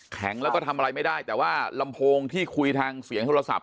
แข็งแล้วก็ทำอะไรไม่ได้แต่ว่าลำโพงที่คุยทางเสียงโทรศัพ